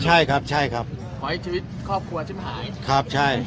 ใช่ครับใช่ครับขอให้ชีวิตครอบครัวฉันหายครับใช่